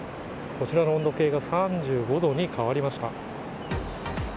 こちらの温度計が３５度に変わりました。